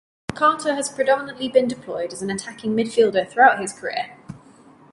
Carter has predominantly been deployed as an attacking midfielder throughout his career.